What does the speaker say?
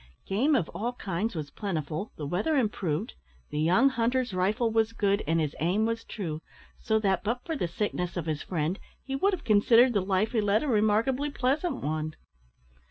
Game of all kinds was plentiful, the weather improved, the young hunter's rifle was good, and his aim was true, so that, but for the sickness of his friend, he would have considered the life he led a remarkably pleasant one.